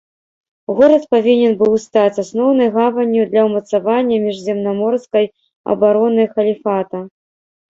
Горад павінен быў стаць асноўнай гаванню для ўмацавання міжземнаморскай абароны халіфата.